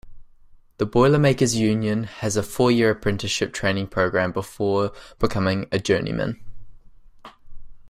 The Boilermakers union has a four-year apprenticeship training program before becoming a Journeyman.